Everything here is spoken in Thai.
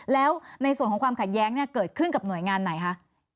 แล้วในส่วนของความขัดแย้งเนี่ยเกิดขึ้นกับหน่วยงานไหนคะ